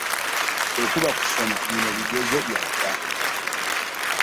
Bwekuba kusoma bino bigezo byadda ,